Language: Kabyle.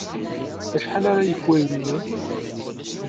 Acḥal ara yekk wayen-nni?